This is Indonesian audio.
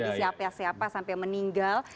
jadi siapa siapa sampai meninggal